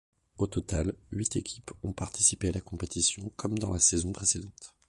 Au total, huit équipes ont participé à la compétition comme dans la saison précédente.